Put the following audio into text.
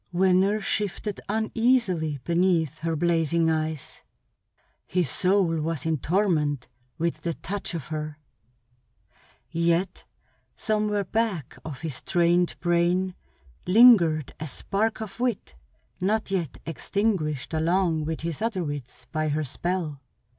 Venner shifted uneasily beneath her blazing eyes. His soul was in torment with the touch of her; yet somewhere back of his trained brain lingered a spark of wit not yet extinguished along with his other wits by her spell.